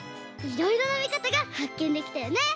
いろいろなみかたがはっけんできたよね！